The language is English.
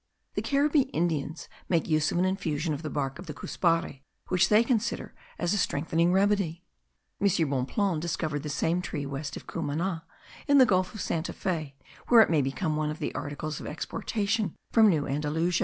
The Caribbee Indians make use of an infusion of the bark of the cuspare, which they consider as a strengthening remedy. M. Bonpland discovered the same tree west of Cumana, in the gulf of Santa Fe, where it may become one of the articles of exportation from New Andalusia.